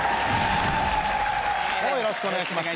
よろしくお願いします